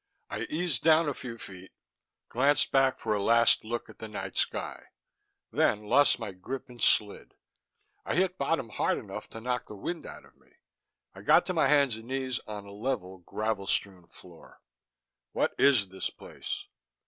I eased down a few feet, glanced back for a last look at the night sky, then lost my grip and slid. I hit bottom hard enough to knock the wind out of me. I got to my hands and knees on a level, gravel strewn floor. "What is this place?"